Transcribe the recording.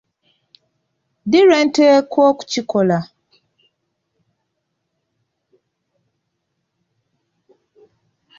Ddi lwenteekwa okukikola ?